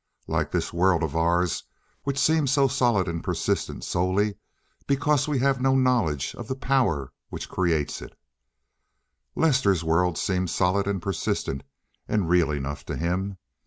Like this world of ours, which seems so solid and persistent solely because we have no knowledge of the power which creates it, Lester's world seemed solid and persistent and real enough to him.